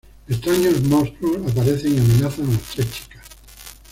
Extraños monstruos aparecen y amenazan a las tres chicas.